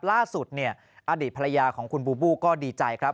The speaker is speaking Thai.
ล่าสุดเนี่ยอดีตภรรยาของคุณบูบูก็ดีใจครับ